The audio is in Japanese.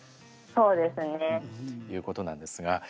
そうですね。ということなんですが。